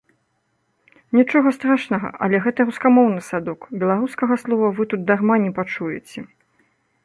Нічога страшнага, але гэта рускамоўны садок, беларускага слова вы тут дарма не пачуеце.